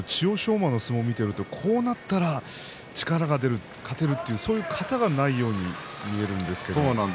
馬の相撲を見ていると、こうなったら力が出るか勝てるというそういう型がないように見えるんですが。